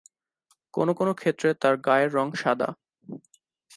কোনো কোনো ক্ষেত্রে তার গায়ের রং সাদা।